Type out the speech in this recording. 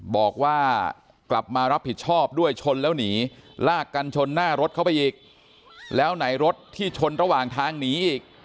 บอกว่ากลับมารับผิดชอบด้วยชนแล้วหนีลากกันชนหน้ารถเข้าไปอีกแล้วไหนรถที่ชนระหว่างทางหนีอีก